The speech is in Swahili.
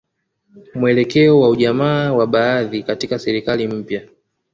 Mwelekeo wa ujamaa wa baadhi katika serikali mpya